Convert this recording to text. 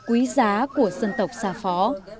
quý giá của dân tộc xa phó